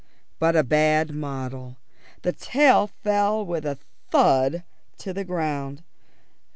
But a bad model. The tail fell with a thud to the ground.